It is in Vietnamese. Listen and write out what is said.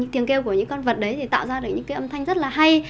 tiếng kêu của những con vật đấy thì tạo ra được những cái âm thanh rất là hay